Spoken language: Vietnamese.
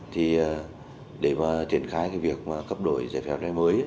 thì để mà tiền khai cái việc cấp đổi giải phép lấy xe mới